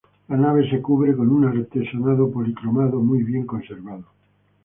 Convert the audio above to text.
La nave se cubre con un artesonado policromado muy bien conservado.